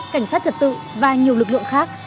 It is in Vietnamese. cảnh sát trật tự và nhiều lực lượng khác